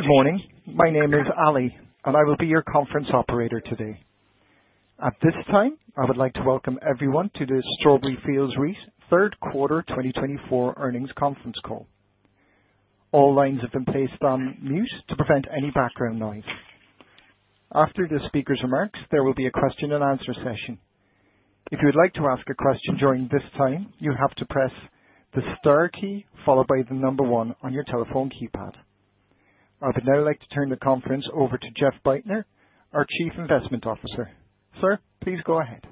Good morning. My name is Ali, and I will be your conference operator today. At this time, I would like to welcome everyone to the Strawberry Fields REIT Third Quarter 2024 earnings conference call. All lines have been placed on mute to prevent any background noise. After the speaker's remarks, there will be a question and answer session. If you would like to ask a question during this time, you have to press the star key followed by the number one on your telephone keypad. I would now like to turn the conference over to Jeff Bajtner, our Chief Investment Officer. Sir, please go ahead.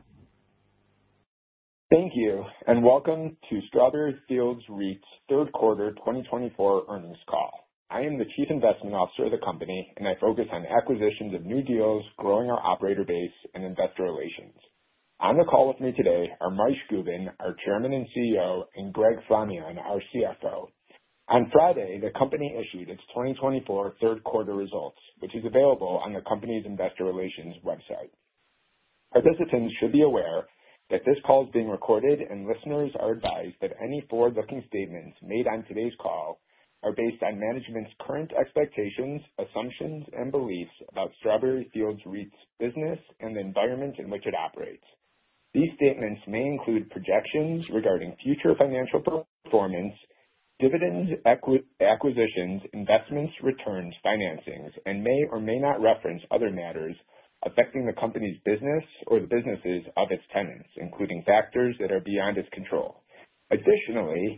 Thank you. Welcome to Strawberry Fields REIT's third quarter 2024 earnings call. I am the Chief Investment Officer of the company, and I focus on acquisitions of new deals, growing our operator base, and investor relations. On the call with me today are Moishe Gubin, our Chairman and CEO, and Greg Flamion, our CFO. On Friday, the company issued its 2024 third quarter results, which is available on the company's investor relations website. Our participants should be aware that this call is being recorded, and listeners are advised that any forward-looking statements made on today's call are based on management's current expectations, assumptions, and beliefs about Strawberry Fields REIT's business and the environment in which it operates. These statements may include projections regarding future financial performance, dividends, acquisitions, investments, returns, financings, and may or may not reference other matters affecting the company's business or the businesses of its tenants, including factors that are beyond its control.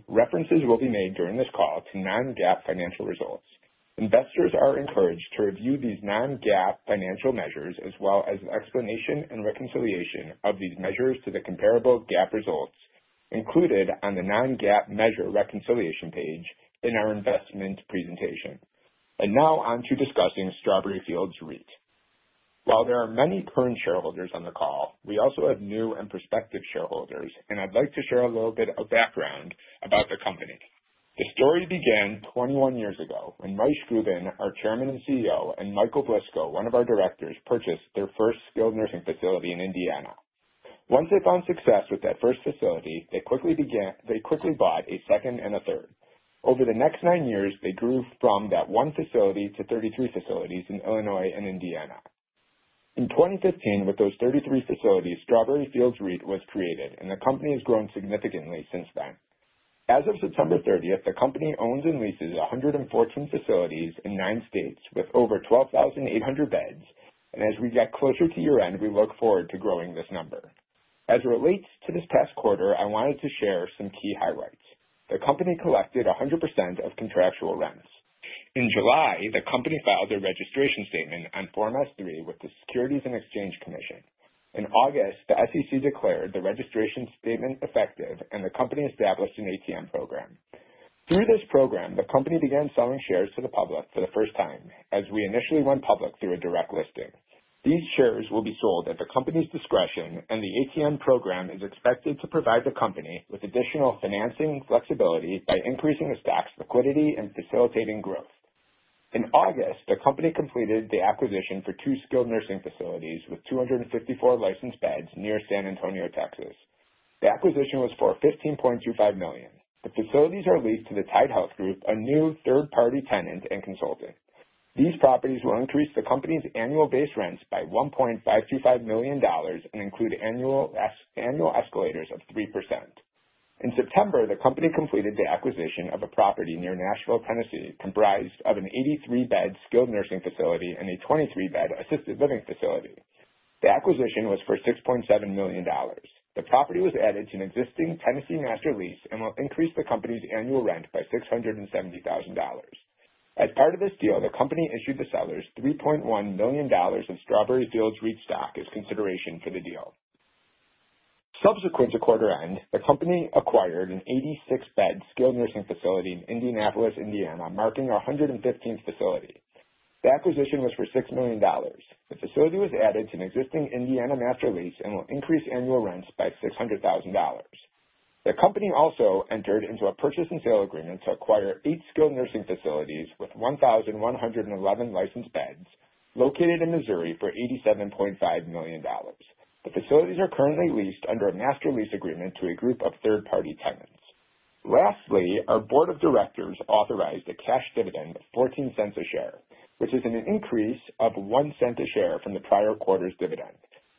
References will be made during this call to non-GAAP financial results. Investors are encouraged to review these non-GAAP financial measures as well as an explanation and reconciliation of these measures to the comparable GAAP results included on the non-GAAP measure reconciliation page in our investment presentation. Now on to discussing Strawberry Fields REIT. While there are many current shareholders on the call, we also have new and prospective shareholders. I'd like to share a little bit of background about the company. The story began 21 years ago when Mois Gubin, our Chairman and CEO, and Michael Blisko, one of our directors, purchased their first skilled nursing facility in Indiana. Once they found success with that first facility, they quickly bought a second and a third. Over the next nine years, they grew from that one facility to 33 facilities in Illinois and Indiana. In 2015, with those 33 facilities, Strawberry Fields REIT was created. The company has grown significantly since then. As of September 30th, the company owns and leases 114 facilities in nine states with over 12,800 beds. As we get closer to year-end, we look forward to growing this number. As it relates to this past quarter, I wanted to share some key highlights. The company collected 100% of contractual rents. In July, the company filed their registration statement on Form S-3 with the Securities and Exchange Commission. In August, the SEC declared the registration statement effective, and the company established an ATM program. Through this program, the company began selling shares to the public for the first time as we initially went public through a direct listing. These shares will be sold at the company's discretion, and the ATM program is expected to provide the company with additional financing flexibility by increasing the stock's liquidity and facilitating growth. In August, the company completed the acquisition for 2 skilled nursing facilities with 254 licensed beds near San Antonio, Texas. The acquisition was for $15.25 million. The facilities are leased to the Tide Health Group, a new third-party tenant and consultant. These properties will increase the company's annual base rents by $1.525 million and include annual escalators of 3%. In September, the company completed the acquisition of a property near Nashville, Tennessee, comprised of an 83-bed skilled nursing facility and a 23-bed assisted living facility. The acquisition was for $6.7 million. The property was added to an existing Tennessee master lease and will increase the company's annual rent by $670,000. As part of this deal, the company issued the sellers $3.1 million in Strawberry Fields REIT stock as consideration for the deal. Subsequent to quarter end, the company acquired an 86-bed skilled nursing facility in Indianapolis, Indiana, marking our 115th facility. The acquisition was for $6 million. The facility was added to an existing Indiana master lease and will increase annual rents by $600,000. The company also entered into a purchase and sale agreement to acquire 8 skilled nursing facilities with 1,111 licensed beds located in Missouri for $87.5 million. The facilities are currently leased under a master lease agreement to a group of third-party tenants. Lastly, our board of directors authorized a cash dividend of $0.14 a share, which is an increase of $0.01 a share from the prior quarter's dividend.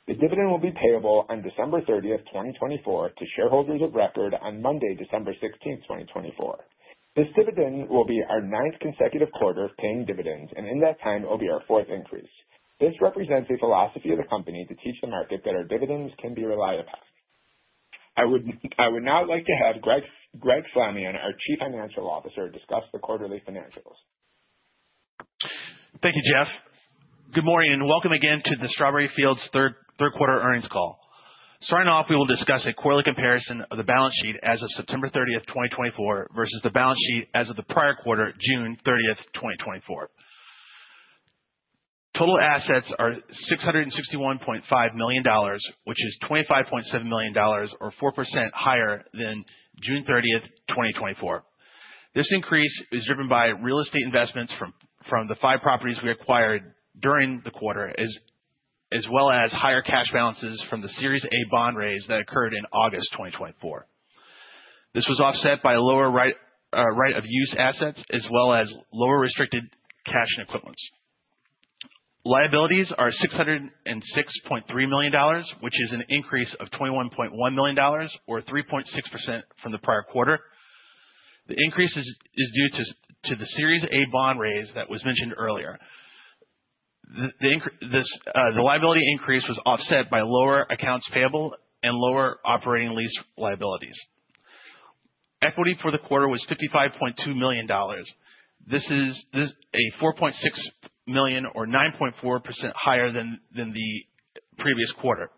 The dividend will be payable on December 30th, 2024, to shareholders of record on Monday, December 16th, 2024. This dividend will be our 9th consecutive quarter of paying dividends, and in that time, it will be our 4th increase. This represents a philosophy of the company to teach the market that our dividends can be relied upon. I would now like to have Greg Flamion, our Chief Financial Officer, discuss the quarterly financials. Thank you, Jeff. Good morning, and welcome again to the Strawberry Fields third quarter earnings call. Starting off, we will discuss a quarterly comparison of the balance sheet as of September 30th, 2024, versus the balance sheet as of the prior quarter, June 30th, 2024. Total assets are $661.5 million, which is $25.7 million or 4% higher than June 30th, 2024. This increase is driven by real estate investments from the 5 properties we acquired during the quarter, as well as higher cash balances from the Series A bond raise that occurred in August 2024. This was offset by lower right of use assets as well as lower restricted cash and equivalents. Liabilities are $606.3 million, which is an increase of $21.1 million or 3.6% from the prior quarter. The increase is due to the Series A bond raise that was mentioned earlier. The liability increase was offset by lower accounts payable and lower operating lease liabilities. Equity for the quarter was $55.2 million. This is a $4.6 million or 9.4% higher than the previous quarter.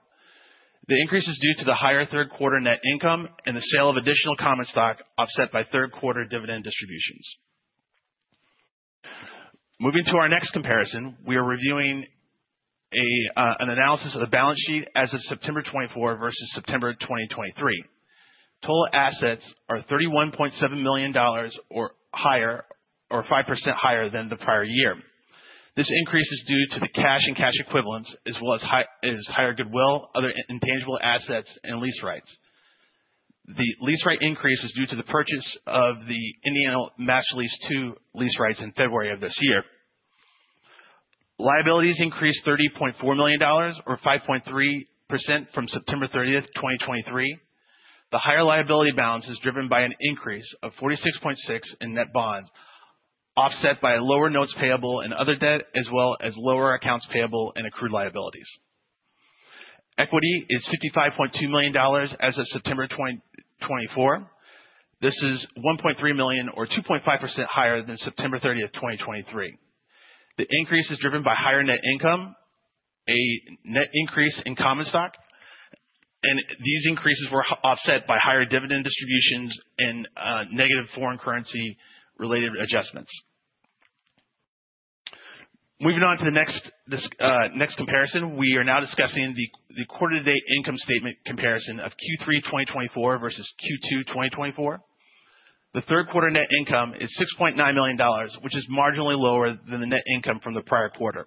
The increase is due to the higher third quarter net income and the sale of additional common stock offset by third quarter dividend distributions. Moving to our next comparison, we are reviewing an analysis of the balance sheet as of September 2024 versus September 2023. Total assets are $31.7 million or 5% higher than the prior year. This increase is due to the cash and cash equivalents, as well as higher goodwill, other intangible assets, and lease rights. The lease right increase is due to the purchase of the Indiana Master Lease 2 lease rights in February of this year. Liabilities increased $30.4 million or 5.3% from September 30, 2023. The higher liability balance is driven by an increase of $46.6 million in net bonds, offset by lower notes payable and other debt, as well as lower accounts payable and accrued liabilities. Equity is $55.2 million as of September 2024. This is $1.3 million or 2.5% higher than September 30, 2023. The increase is driven by higher net income, a net increase in common stock. These increases were offset by higher dividend distributions and negative foreign currency related adjustments. Moving on to the next comparison. We are now discussing the quarter to date income statement comparison of Q3 2024 versus Q2 2024. The third quarter net income is $6.9 million, which is marginally lower than the net income from the prior quarter.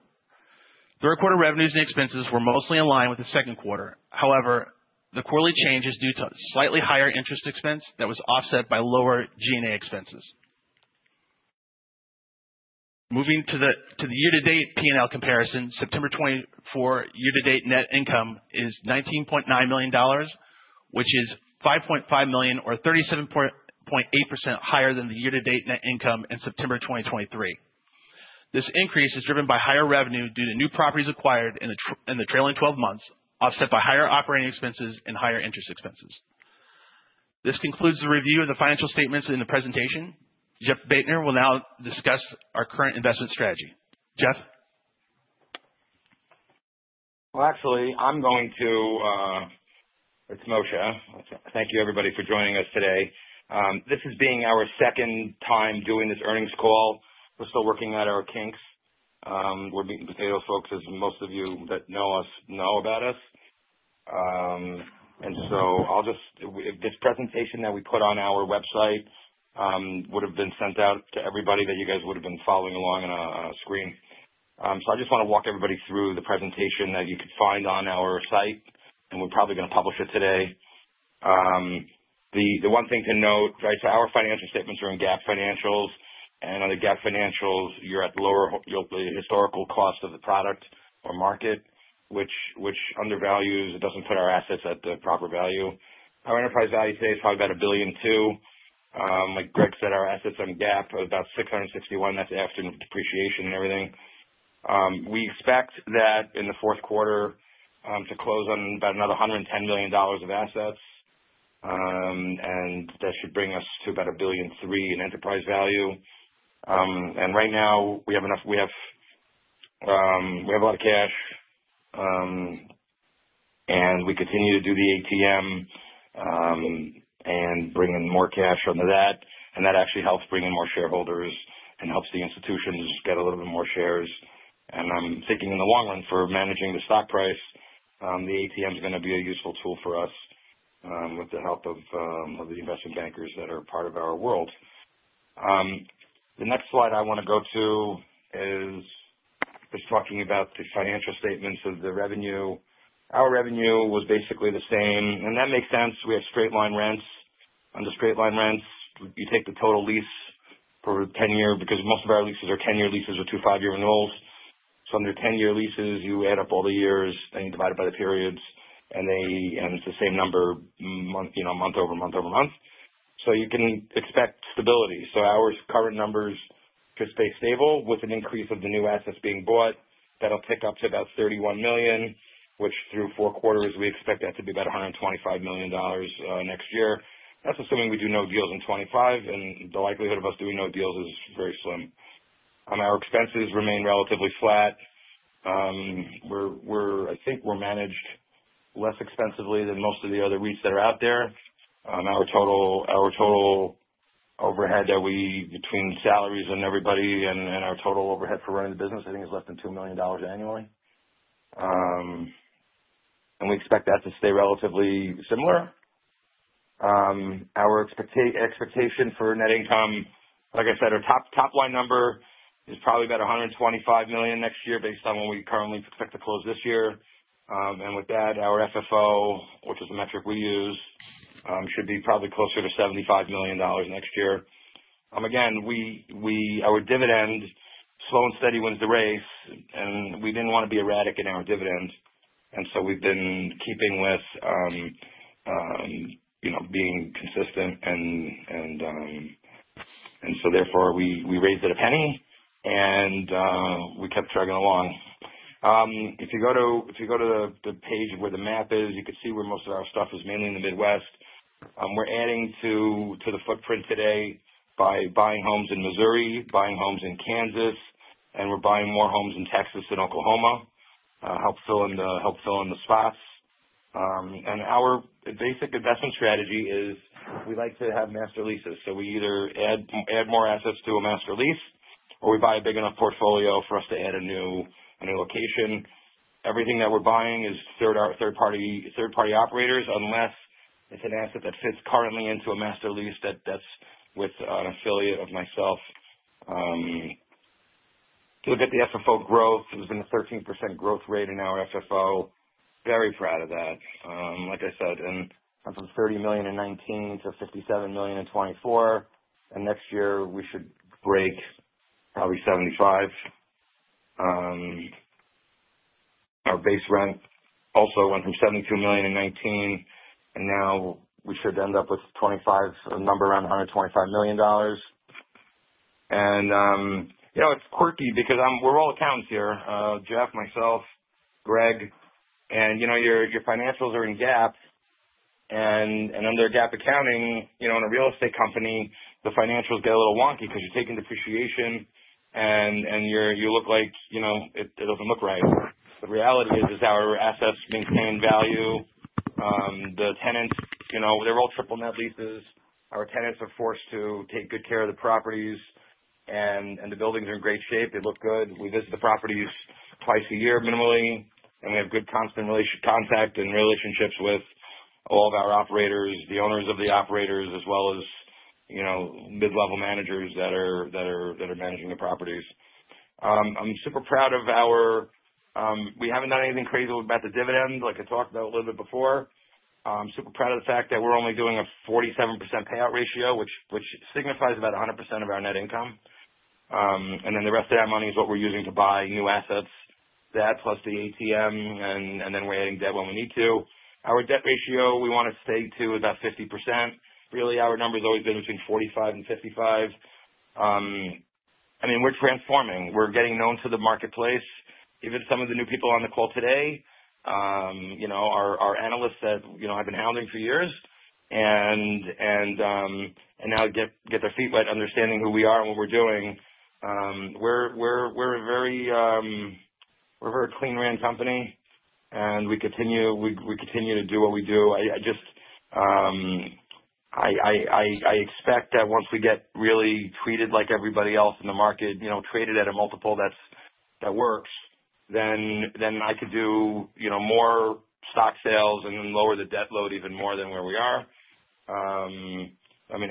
Third quarter revenues and expenses were mostly in line with the second quarter. The quarterly change is due to slightly higher interest expense that was offset by lower G&A expenses. Moving to the year to date P&L comparison, September 2024 year to date net income is $19.9 million, which is $5.5 million or 37.8% higher than the year to date net income in September 2023. This increase is driven by higher revenue due to new properties acquired in the trailing 12 months, offset by higher operating expenses and higher interest expenses. This concludes the review of the financial statements in the presentation. Jeff Bajtner will now discuss our current investment strategy. Jeff? Well, actually, it's Moishe. Thank you, everybody, for joining us today. This is being our second time doing this earnings call. We're still working out our kinks. We're being [potato folks], as most of you that know us know about us. This presentation that we put on our website would have been sent out to everybody that you guys would have been following along on a screen. I just want to walk everybody through the presentation that you could find on our site. We're probably going to publish it today. The one thing to note, our financial statements are in GAAP financials, and on the GAAP financials, you're at the historical cost of the product or market, which undervalues. It doesn't put our assets at the proper value. Our enterprise value today is probably about $1.2 billion. Like Greg said, our assets on GAAP are about 661. That's after depreciation and everything. We expect that in the fourth quarter to close on about another $110 million of assets, and that should bring us to about $1.3 billion in enterprise value. Right now we have a lot of cash, and we continue to do the ATM, and bring in more cash onto that, and that actually helps bring in more shareholders and helps the institutions get a little bit more shares. I'm thinking in the long run for managing the stock price, the ATM is going to be a useful tool for us with the help of the investing bankers that are part of our world. The next slide I want to go to is just talking about the financial statements of the revenue. Our revenue was basically the same. That makes sense. We have straight line rents. Under straight line rents, you take the total lease for 10 years because most of our leases are 10-year leases with two five-year renewals. Under 10-year leases, you add up all the years and you divide it by the periods. It's the same number month-over-month-over-month. You can expect stability. Our current numbers could stay stable with an increase of the new assets being bought. That'll take up to about $31 million, which through four quarters, we expect that to be about $125 million next year. That's assuming we do no deals in 2025, and the likelihood of us doing no deals is very slim. Our expenses remain relatively flat. I think we're managed less expensively than most of the other REITs that are out there. Our total overhead that we, between salaries and everybody and our total overhead for running the business, I think is less than $2 million annually. We expect that to stay relatively similar. Our expectation for net income, like I said, our top line number. It's probably about $125 million next year based on what we currently expect to close this year. With that, our FFO, which is the metric we use, should be probably closer to $75 million next year. Again, our dividend, slow and steady wins the race. We didn't want to be erratic in our dividends. So we've been keeping with being consistent. Therefore, we raised it $0.01. We kept chugging along. If you go to the page where the map is, you can see where most of our stuff is, mainly in the Midwest. We're adding to the footprint today by buying homes in Missouri, buying homes in Kansas, and we're buying more homes in Texas and Oklahoma. Help filling the spots. Our basic investment strategy is we like to have master leases. We either add more assets to a master lease or we buy a big enough portfolio for us to add a new location. Everything that we're buying is third-party operators, unless it's an asset that fits currently into a master lease that's with an affiliate of myself. If you look at the FFO growth, there's been a 13% growth rate in our FFO. Very proud of that. Like I said, from $30 million in 2019 to $57 million in 2024. Next year we should break probably $75 million. Our base rent also went from $72 million in 2019, now we should end up with a number around $125 million. It is quirky because we are all accountants here, Jeff, myself, Greg, your financials are in GAAP, under GAAP accounting, in a real estate company, the financials get a little wonky because you are taking depreciation and it does not look right. The reality is our assets maintain value. The tenants, they are all triple net leases. Our tenants are forced to take good care of the properties, the buildings are in great shape. They look good. We visit the properties twice a year minimally, we have good constant contact and relationships with all of our operators, the owners of the operators, as well as mid-level managers that are managing the properties. We have not done anything crazy about the dividend, like I talked about a little bit before. I am super proud of the fact that we are only doing a 47% payout ratio, which signifies about 100% of our net income. The rest of that money is what we are using to buy new assets. That plus the ATM, we are adding debt when we need to. Our debt ratio we want to stay to about 50%. Really, our number has always been between 45 and 55. We are transforming. We are getting known to the marketplace. Even some of the new people on the call today, our analysts that I have been hounding for years get to see what understanding who we are and what we are doing. We are a very clean-ran company, we continue to do what we do. I expect that once we get really treated like everybody else in the market, traded at a multiple that works, I could do more stock sales lower the debt load even more than where we are.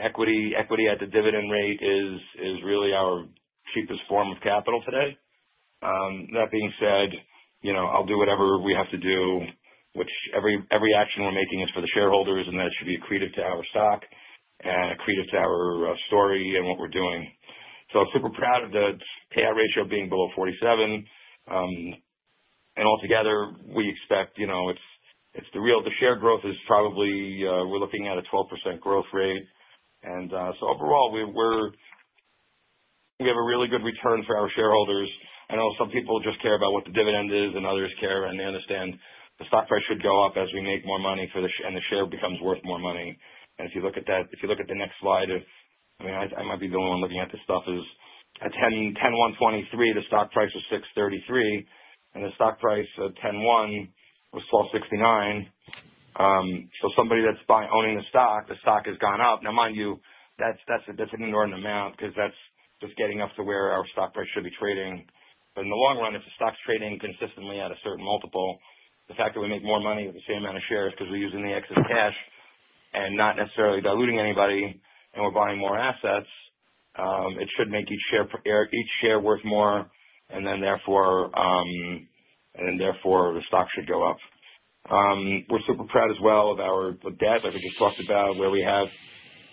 Equity at the dividend rate is really our cheapest form of capital today. That being said, I will do whatever we have to do, which every action we are making is for the shareholders, that should be accretive to our stock accretive to our story and what we are doing. I am super proud of the payout ratio being below 47. Altogether, we expect the share growth is probably, we are looking at a 12% growth rate. Overall, we have a really good return for our shareholders. I know some people just care about what the dividend is, others care they understand the stock price should go up as we make more money, the share becomes worth more money. If you look at the next slide, I might be the only one looking at this stuff, is at 10/1/2023, the stock price was $6.33, [the stock price at 10/1/2023 was $12.69. Somebody that is owning the stock, the stock has gone up. Now mind you, that is an ignored amount because that is just getting up to where our stock price should be trading. In the long run, if the stock's trading consistently at a certain multiple, the fact that we make more money with the same amount of shares because we're using the excess cash and not necessarily diluting anybody, and we're buying more assets, it should make each share worth more, and therefore, the stock should go up. We're super proud as well of our debt, like we just talked about, where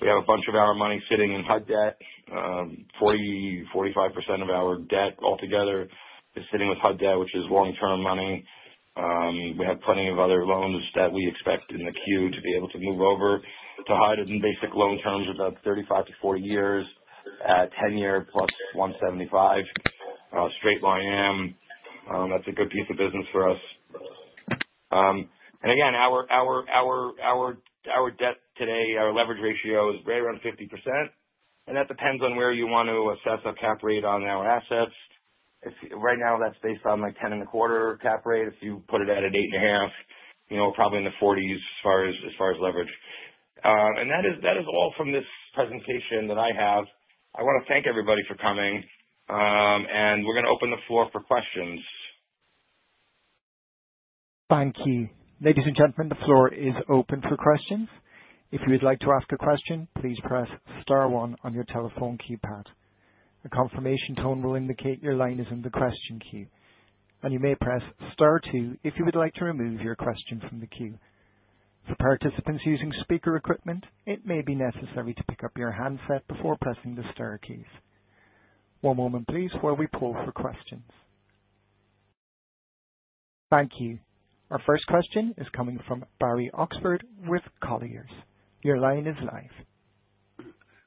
we have a bunch of our money sitting in HUD debt. 40, 45% of our debt altogether is sitting with HUD debt, which is long-term money. We have plenty of other loans that we expect in the queue to be able to move over to HUD in basic loan terms of about 35-40 years at 10-year plus 175 [straight IM]. That's a good piece of business for us. Again, our debt today, our leverage ratio is right around 50%, and that depends on where you want to assess a cap rate on our assets. Right now that's based on a 10.25% cap rate. If you put it at an 8.5%, probably in the 40s as far as leverage. That is all from this presentation that I have. I want to thank everybody for coming. We're going to open the floor for questions. Thank you. Ladies and gentlemen, the floor is open for questions. If you would like to ask a question, please press star one on your telephone keypad. A confirmation tone will indicate your line is in the question queue, and you may press star two if you would like to remove your question from the queue. For participants using speaker equipment, it may be necessary to pick up your handset before pressing the star keys. One moment please while we pull for questions. Thank you. Our first question is coming from Barry Oxford with Colliers. Your line is live.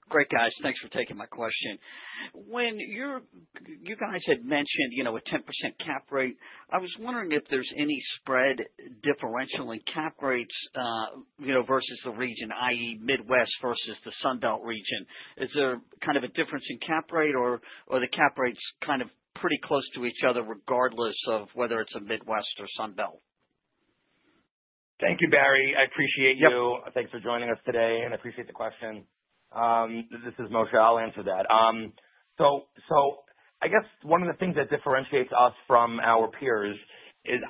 Great, guys. Thanks for taking my question. When you guys had mentioned a 10% cap rate, I was wondering if there's any spread differentially cap rates versus the region, i.e., Midwest versus the Sun Belt region. Is there a difference in cap rate or the cap rate's pretty close to each other regardless of whether it's a Midwest or Sun Belt? Thank you, Barry. I appreciate you. Yep. Thanks for joining us today and appreciate the question. This is Moishe. I'll answer that. I guess one of the things that differentiates us from our peers is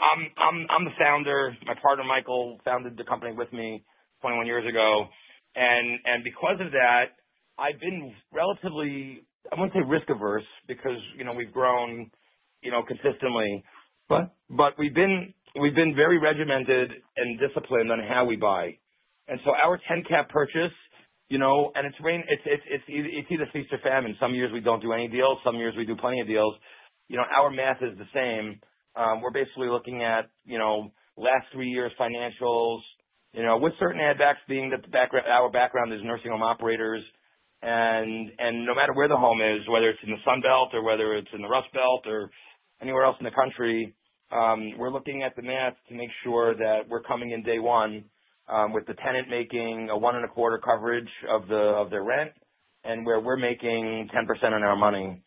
I'm the founder. My partner, Michael, founded the company with me 21 years ago. Because of that, I've been relatively, I wouldn't say risk averse, because we've grown consistently. We've been very regimented and disciplined on how we buy. Our 10 cap purchase, it's either feast or famine. Some years we don't do any deals; some years we do plenty of deals. Our math is the same. We're basically looking at last three years' financials, with certain add backs being that our background is nursing home operators. No matter where the home is, whether it's in the Sun Belt or whether it's in the Rust Belt or anywhere else in the country, we're looking at the math to make sure that we're coming in day one with the tenant making a one and a quarter coverage of their rent, and where we're making 10% on our money,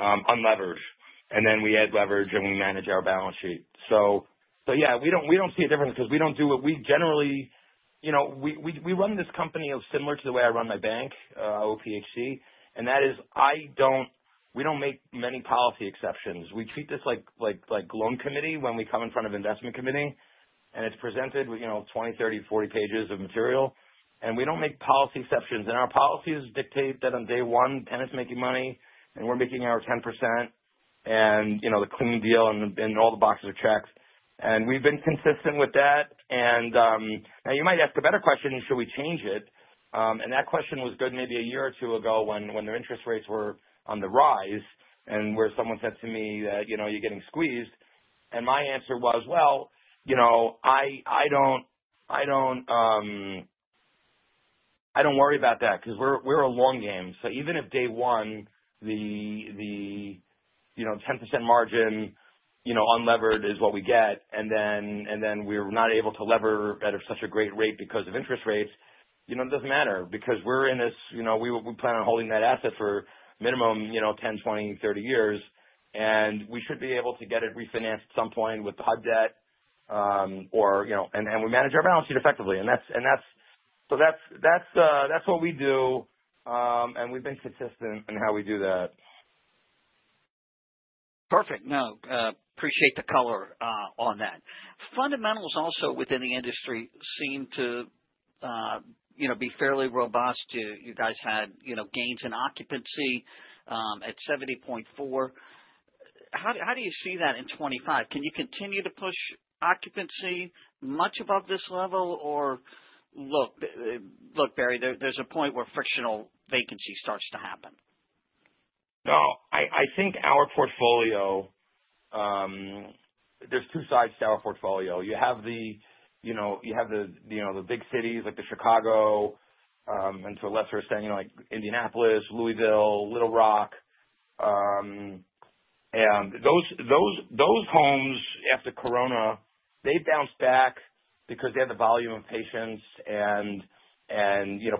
unlevered. We add leverage and we manage our balance sheet. Yeah, we don't see a difference because we don't do. We run this company similar to the way I run my bank, OPHC, and that is, we don't make many policy exceptions. We treat this like loan committee when we come in front of investment committee, and it's presented with 20, 30, 40 pages of material. We don't make policy exceptions. Our policies dictate that on day one, tenant's making money and we're making our 10%, the clean deal and all the boxes are checked. We've been consistent with that. You might ask a better question, should we change it? That question was good maybe a year or two ago when their interest rates were on the rise, and where someone said to me, "You're getting squeezed." My answer was, well, I don't worry about that because we're a long game. Even if day one, the 10% margin unlevered is what we get, and then we're not able to lever at such a great rate because of interest rates, it doesn't matter because we plan on holding that asset for minimum 10, 20, 30 years, and we should be able to get it refinanced at some point with HUD debt, and we manage our balance sheet effectively. That's what we do, and we've been consistent in how we do that. Perfect. Appreciate the color on that. Fundamentals also within the industry seem to be fairly robust. You guys had gains in occupancy, at 70.4%. How do you see that in 2025? Can you continue to push occupancy much above this level? Look, Barry, there's a point where frictional vacancy starts to happen. I think our portfolio, there's two sides to our portfolio. You have the big cities like the Chicago, and to a lesser extent, like Indianapolis, Louisville, Little Rock. Those homes after COVID-19, they bounced back because they had the volume of patients, and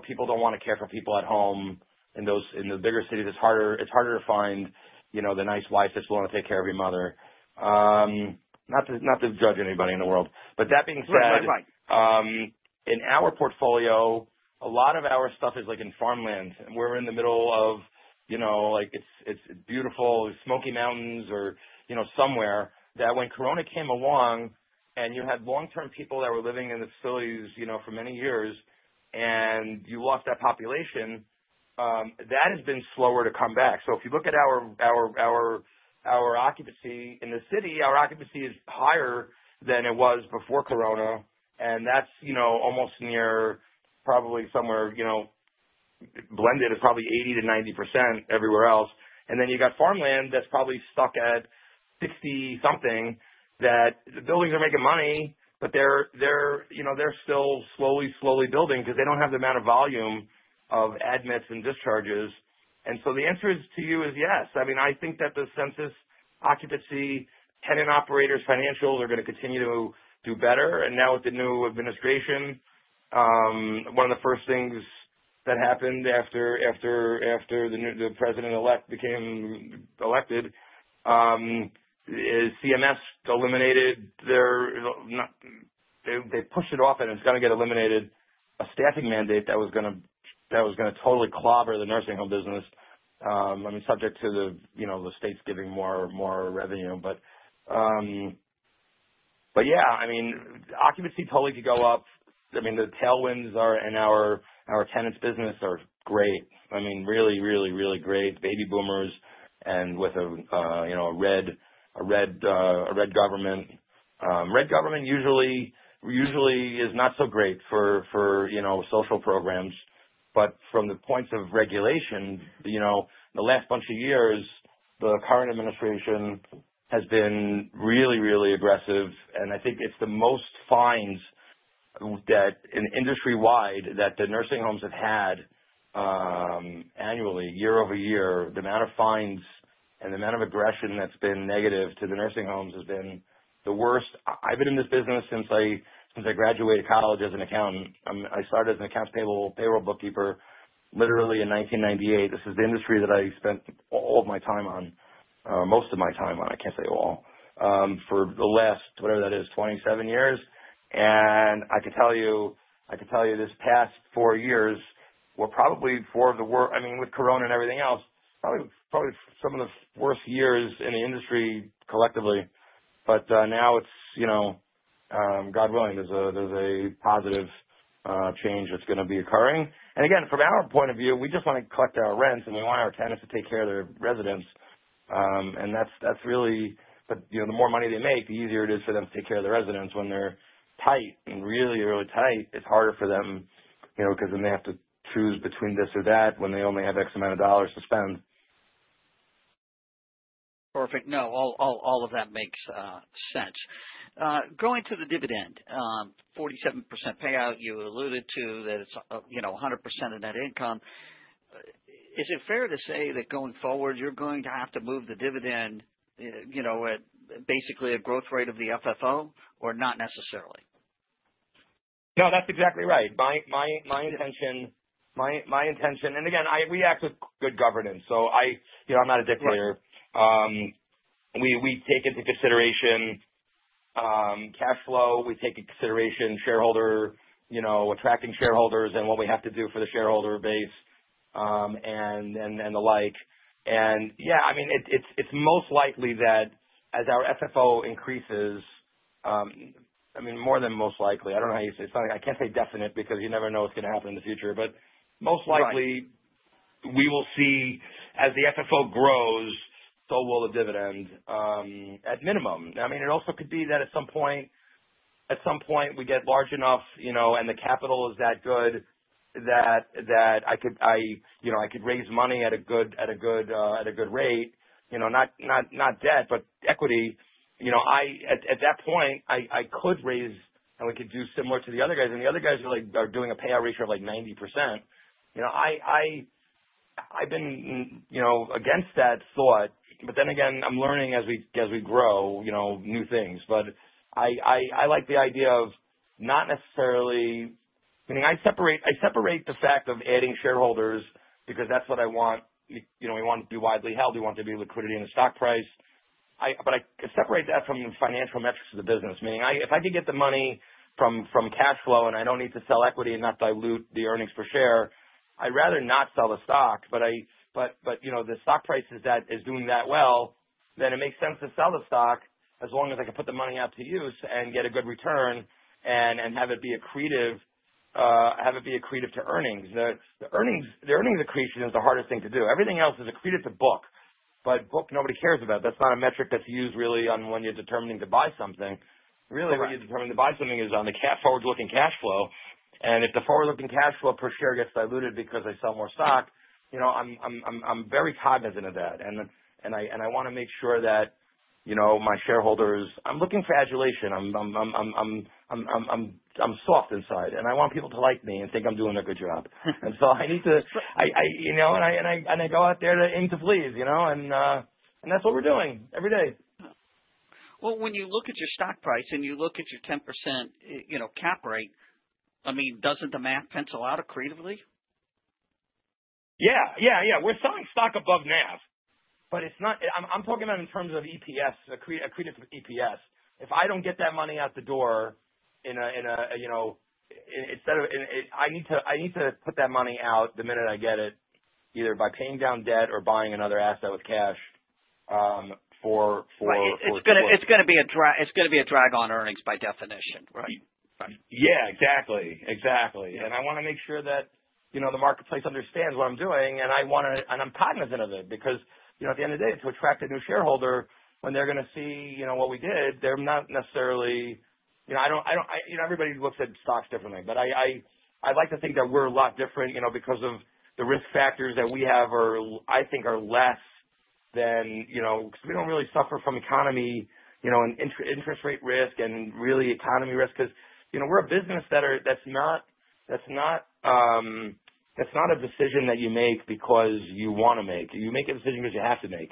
people don't want to care for people at home in the bigger cities. It's harder to find the nice wife that's willing to take care of your mother. Not to judge anybody in the world. That being said. Right. In our portfolio, a lot of our stuff is in farmlands, and we're in the middle of. It's beautiful, the Smoky Mountains or somewhere. That when COVID-19 came along and you had long-term people that were living in the facilities for many years and you lost that population, that has been slower to come back. If you look at our occupancy in the city, our occupancy is higher than it was before COVID-19, and that's almost near probably somewhere blended is probably 80%-90% everywhere else. Then you got farmland that's probably stuck at 60-something%, that the buildings are making money, but they're still slowly building because they don't have the amount of volume of admits and discharges. The answer is to you is yes. I think that the census occupancy, tenant operators financials are going to continue to do better. Now with the new administration, one of the first things that happened after the president-elect became elected, CMS eliminated. They push it off, and it's going to get eliminated. A staffing mandate that was going to totally clobber the nursing home business. I mean, subject to the states giving more revenue. Yeah, I mean, occupancy totally could go up. I mean, the tailwinds are in our tenant's business are great. I mean, really great. Baby boomers and with a red government. Red government usually is not so great for social programs. From the point of regulation, the last bunch of years, the current administration has been really aggressive, and I think it's the most fines that, industry-wide, that the nursing homes have had annually, year-over-year. The amount of fines and the amount of aggression that's been negative to the nursing homes has been the worst. I've been in this business since I graduated college as an accountant. I started as an accounts payable payroll bookkeeper literally in 1998. This is the industry that I spent all of my time on, or most of my time on, I can't say all, for the last, whatever that is, 27 years. I can tell you this past four years were probably four of the worst. I mean, with Corona and everything else, probably some of the worst years in the industry collectively. Now it's, God willing, there's a positive change that's going to be occurring. Again, from our point of view, we just want to collect our rents, and we want our tenants to take care of their residents. That's really The more money they make, the easier it is for them to take care of their residents. When they're tight and really tight, it's harder for them, because then they have to choose between this or that when they only have X amount of dollars to spend. Perfect. No, all of that makes sense. Going to the dividend, 47% payout, you alluded to that it's 100% of net income. Is it fair to say that going forward, you're going to have to move the dividend at basically a growth rate of the FFO or not necessarily? No, that's exactly right. My intention, and again, we act with good governance. I'm not a dictator. Right. We take into consideration cash flow. We take into consideration shareholder, attracting shareholders, and what we have to do for the shareholder base, and the like. I mean, it's most likely that as our FFO increases, I mean, more than most likely, I don't know how you say. I can't say definite because you never know what's going to happen in the future. Most likely- Right we will see as the FFO grows, so will the dividend, at minimum. I mean, it also could be that at some point, we get large enough and the capital is that good that I could raise money at a good rate. Not debt, but equity. At that point, I could raise, and we could do similar to the other guys, and the other guys are doing a payout ratio of like 90%. I've been against that thought, I'm learning as we grow new things. I like the idea of not necessarily I separate the fact of adding shareholders because that's what I want. We want to be widely held. We want there to be liquidity in the stock price. I separate that from the financial metrics of the business, meaning, if I could get the money from cash flow, and I don't need to sell equity and not dilute the earnings per share, I'd rather not sell the stock. The stock price is doing that well, then it makes sense to sell the stock as long as I can put the money out to use and get a good return and have it be accretive to earnings. The earnings accretion is the hardest thing to do. Everything else is accreted to book. Book, nobody cares about. That's not a metric that's used really on when you're determining to buy something. Right. When you're determining to buy something is on the forward-looking cash flow, if the forward-looking cash flow per share gets diluted because I sell more stock, I'm very cognizant of that, and I want to make sure that my shareholders I'm looking for adulation. I'm soft inside, and I want people to like me and think I'm doing a good job. I go out there to aim to please. That's what we're doing every day. Well, when you look at your stock price and you look at your 10% cap rate, I mean, doesn't the math pencil out accretively? Yeah. We're selling stock above NAV. I'm talking about in terms of EPS, accretive EPS. If I don't get that money out the door, I need to put that money out the minute I get it, either by paying down debt or buying another asset with cash for- It's going to be a drag on earnings by definition, right? Yeah. Exactly. Yeah. I want to make sure that the marketplace understands what I'm doing. I'm cognizant of it because, at the end of the day, to attract a new shareholder when they're going to see what we did, they're not necessarily. Everybody looks at stocks differently. I'd like to think that we're a lot different because of the risk factors that we have are, I think, are less than. Because we don't really suffer from economy, and interest rate risk and really economy risk because we're a business that's not a decision that you make because you want to make. You make a decision because you have to make.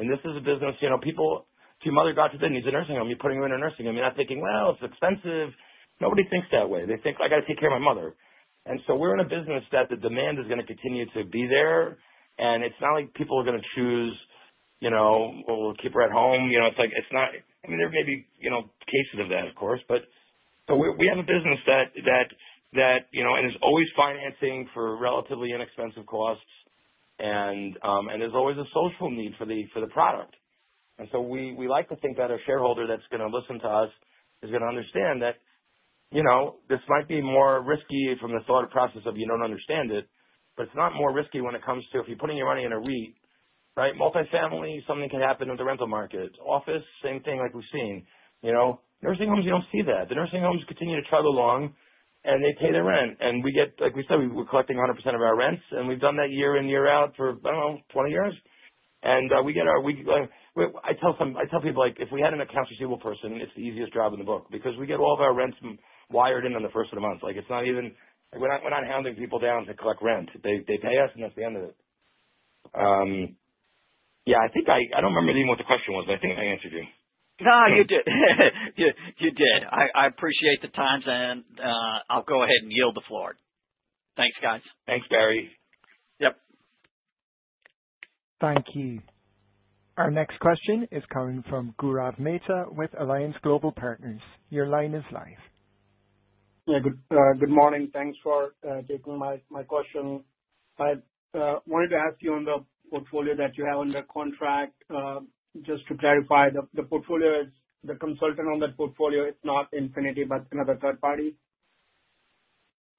This is a business, people, if your mother got to the end, she needs a nursing home, you're putting her in a nursing home. You're not thinking, "Well, it's expensive." Nobody thinks that way. They think, "I got to take care of my mother." We're in a business that the demand is going to continue to be there, and it's not like people are going to choose, "We'll keep her at home." There may be cases of that, of course, but we have a business that is always financing for relatively inexpensive costs, and there's always a social need for the product. We like to think that a shareholder that's going to listen to us is going to understand that this might be more risky from the thought process of you don't understand it, but it's not more risky when it comes to if you're putting your money in a REIT, right? Multifamily. Something can happen with the rental market. Office. Same thing like we've seen. Nursing homes, you don't see that. The nursing homes continue to chug along, and they pay their rent. Like we said, we're collecting 100% of our rents, and we've done that year in, year out for, I don't know, 20 years. I tell people, if we had an accounts receivable person, it's the easiest job in the book because we get all of our rents wired in on the first of the month. We're not hounding people down to collect rent. They pay us, and that's the end of it. I don't remember anymore what the question was, but I think I answered you. No, you did. You did. I appreciate the time [and] I'll go ahead and yield the floor. Thanks, guys. Thanks, Barry. Yep. Thank you. Our next question is coming from Gaurav Mehta with Alliance Global Partners. Your line is live. Yeah. Good morning. Thanks for taking my question. I wanted to ask you on the portfolio that you have under contract, just to clarify, the consultant on that portfolio is not Infinity, but another third party?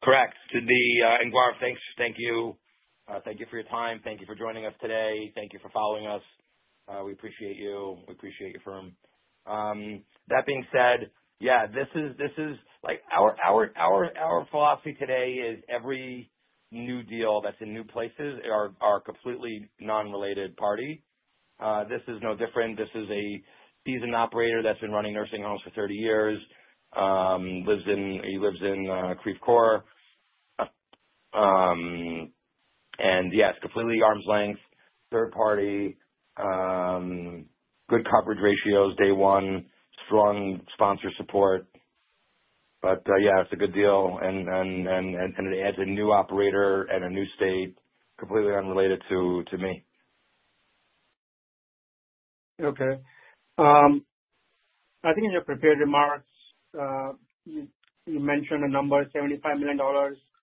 Correct. Gaurav, thanks. Thank you. Thank you for your time. Thank you for joining us today. Thank you for following us. We appreciate you. We appreciate your firm. That being said, yeah, our philosophy today is every new deal that's in new places are a completely non-related party. This is no different. This is a seasoned operator that's been running nursing homes for 30 years. He lives in Creve Coeur. Yeah, it's completely arm's length, third party, good coverage ratios day one, strong sponsor support. Yeah, it's a good deal, and it adds a new operator and a new state completely unrelated to me. Okay. I think in your prepared remarks, you mentioned a number, $75 million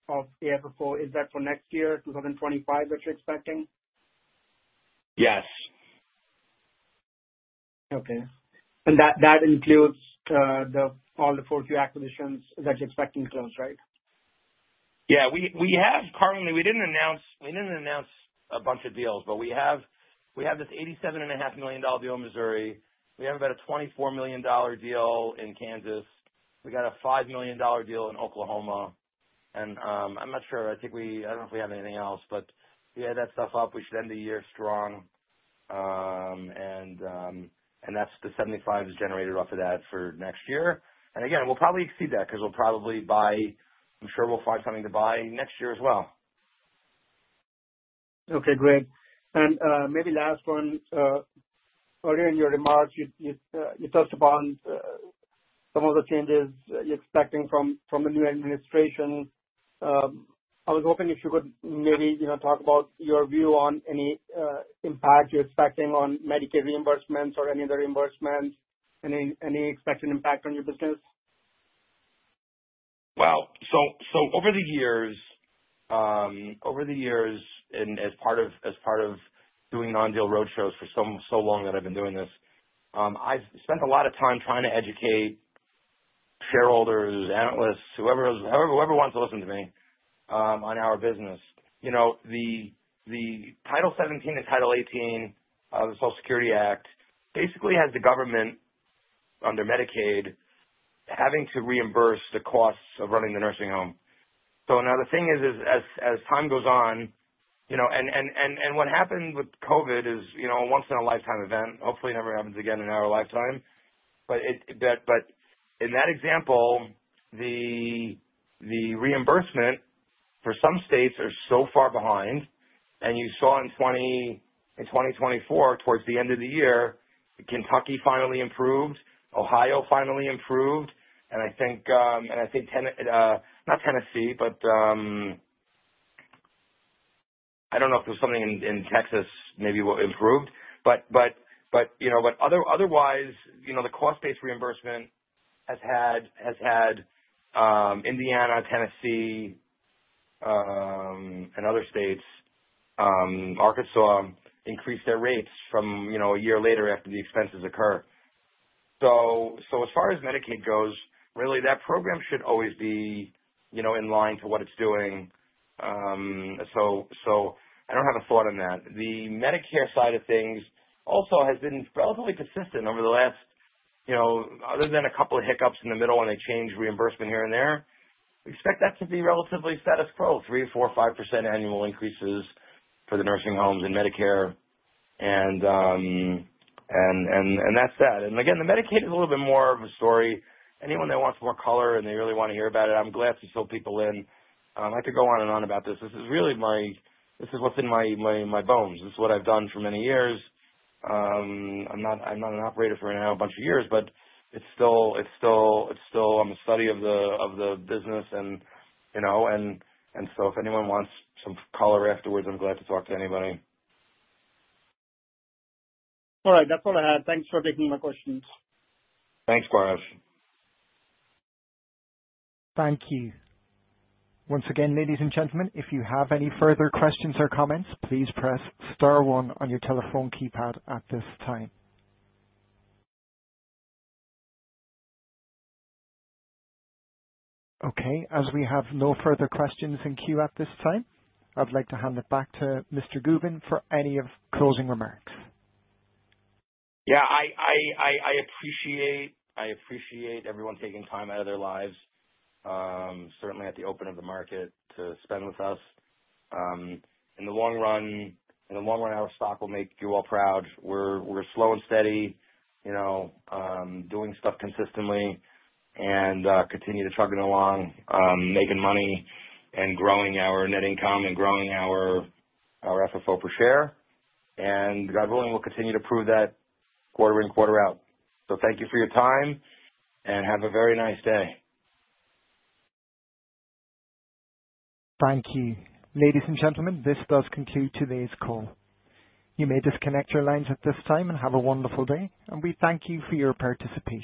of AFFO. Is that for next year, 2025, that you're expecting? Yes. Okay. That includes all the 4Q acquisitions that you're expecting close, right? Yeah. Currently, we didn't announce a bunch of deals, but we have this $87.5 million deal in Missouri. We have about a $24 million deal in Kansas. We got a $5 million deal in Oklahoma. I'm not sure. I don't know if we have anything else, but we add that stuff up. We should end the year strong. The 75 is generated off of that for next year. Again, we'll probably exceed that because I'm sure we'll find something to buy next year as well. Okay, great. Maybe last one. Earlier in your remarks, you touched upon some of the changes you're expecting from the new administration. I was hoping if you could maybe talk about your view on any impact you're expecting on Medicaid reimbursements or any other reimbursements. Any expected impact on your business? Wow. Over the years, and as part of doing non-deal roadshows for so long that I've been doing this, I've spent a lot of time trying to educate shareholders, analysts, whoever wants to listen to me on our business. The Title XIX and Title XVIII of the Social Security Act basically has the government, under Medicaid, having to reimburse the costs of running the nursing home. Now the thing is, as time goes on, and what happened with COVID is a once in a lifetime event, hopefully never happens again in our lifetime. In that example, the reimbursement for some states are so far behind, and you saw in 2024, towards the end of the year, Kentucky finally improved, Ohio finally improved, and I think, not Tennessee, but I don't know if there was something in Texas maybe improved. Otherwise, the cost-based reimbursement has had Indiana, Tennessee, and other states, Arkansas, increase their rates from a year later after the expenses occur. As far as Medicaid goes, really that program should always be in line to what it's doing. I don't have a thought on that. The Medicare side of things also has been relatively consistent over the last, other than a couple of hiccups in the middle when they change reimbursement here and there. We expect that to be relatively status quo, 3%-4%-5% annual increases for the nursing homes in Medicare. That's that. Again, the Medicaid is a little bit more of a story. Anyone that wants more color and they really want to hear about it, I'm glad to fill people in. I could go on and on about this. This is what's in my bones. This is what I've done for many years. I'm not an operator for now a bunch of years, but it's still on the study of the business. If anyone wants some color afterwards, I'm glad to talk to anybody. All right. That's all I had. Thanks for taking my questions. Thanks, Gaurav. Thank you. Once again, ladies and gentlemen, if you have any further questions or comments, please press star one on your telephone keypad at this time. As we have no further questions in queue at this time, I'd like to hand it back to Mr. Gubin for any closing remarks. I appreciate everyone taking time out of their lives, certainly at the open of the market, to spend with us. In the long run, our stock will make you all proud. We're slow and steady, doing stuff consistently and continue to chugging along, making money and growing our net income and growing our AFFO per share. God willing, we'll continue to prove that quarter in, quarter out. Thank you for your time, and have a very nice day. Thank you. Ladies and gentlemen, this does conclude today's call. You may disconnect your lines at this time and have a wonderful day. We thank you for your participation.